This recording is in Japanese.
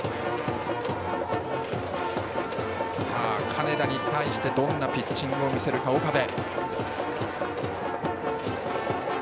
金田に対してどんなピッチングを見せるか岡部。